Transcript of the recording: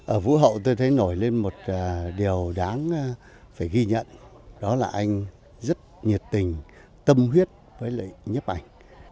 ở vũ hậu tôi thấy nổi lên một điều đáng phải ghi nhận đó là anh rất nhiệt tình tâm huyết với lại nhấp ảnh